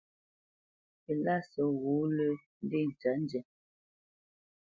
Silásə ghǔt lə́ ndé tsə̌tndyǎ.